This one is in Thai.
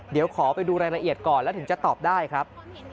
เดี๋ยวขอไปดูรายละเอียดก่อนแล้วถึงจะตอบได้ครับ